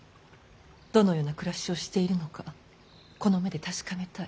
どのような暮らしをしているのかこの目で確かめたい。